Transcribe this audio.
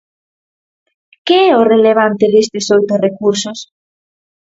¿Que é o relevante destes oito recursos?